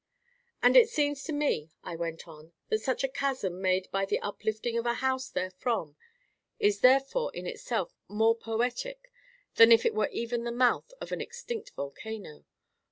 "And it seems to me," I went on, "that such a chasm made by the uplifting of a house therefrom, is therefore in itself more poetic than if it were even the mouth of an extinct volcano.